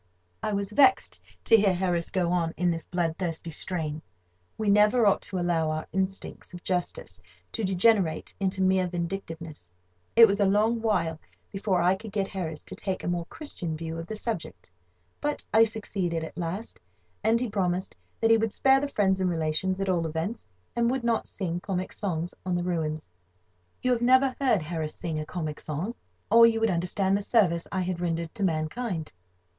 I was vexed to hear Harris go on in this blood thirsty strain. We never ought to allow our instincts of justice to degenerate into mere vindictiveness. It was a long while before I could get Harris to take a more Christian view of the subject, but I succeeded at last, and he promised me that he would spare the friends and relations at all events, and would not sing comic songs on the ruins. You have never heard Harris sing a comic song, or you would understand the service I had rendered to mankind.